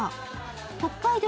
北海道